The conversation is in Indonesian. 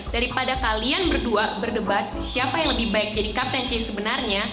daripada kalian berdua berdebat siapa yang lebih baik jadi kapten c sebenarnya